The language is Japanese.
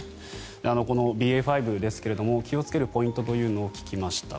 このＢＡ．５ですが気をつけるポイントを聞きました。